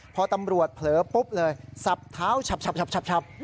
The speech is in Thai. พอตำรวจเผลอปุ๊บเลยสับเท้าฉับ